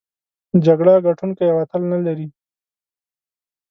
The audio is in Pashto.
جګړه ګټوونکی او اتل نلري.